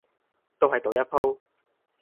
都係賭一鋪